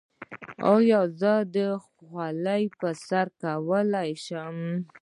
ایا زه خولۍ په سر کولی شم؟